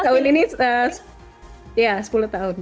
tahun ini sepuluh tahun